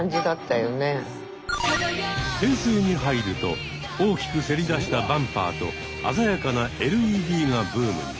平成に入ると大きくせり出したバンパーと鮮やかなＬＥＤがブームに。